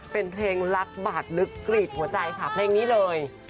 เป็นเพลงรักบาดลึกกรีดหัวใจค่ะเพลงนี้เลย